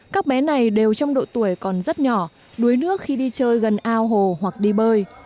các bé này đều trong độ tuổi còn rất nhỏ đuối nước khi đi chơi gần ao hồ hoặc đi bơi